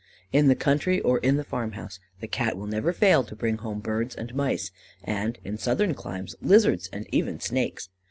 In the country or in farmhouses, the Cat will never fail to bring home birds and mice, and, in Southern climes, lizards and even snakes.